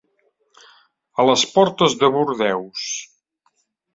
A les portes de Bordeus.